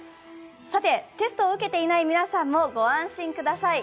テストを受けていない皆さんもご安心ください。